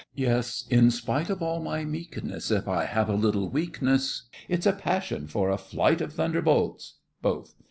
Yes, in spite of all my meekness, If I have a little weakness, It's a passion for a flight of thunderbolts! BOTH.